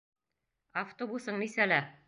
Автобусың нисәлә?